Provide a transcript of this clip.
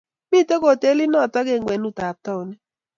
mito hotelit noto eng' kwenutab townit.